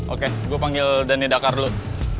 oke gue panggil dani dakar dulu